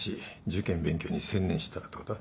受験勉強に専念したらどうだ？